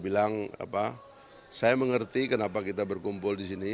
bilang saya mengerti kenapa kita berkumpul di sini